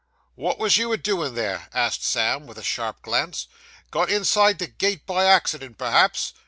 'What was you a doin' there?' asked Sam, with a sharp glance. 'Got inside the gate by accident, perhaps?